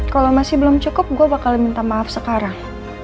kalau masih belum cukup gue bakal minta maaf sekarang